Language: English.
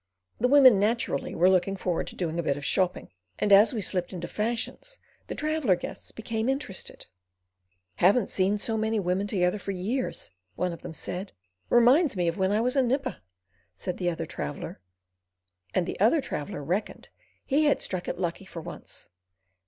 The women, naturally, were looking forward to doing a bit of shopping, and as we slipped into fashions the traveller guests became interested. "Haven't seen so many women together for years," one of them said. "Reminds me of when I was a nipper," and the other traveller "reckoned" he had struck it lucky for once.